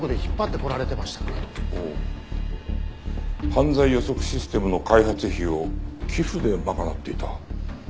犯罪予測システムの開発費を寄付で賄っていた。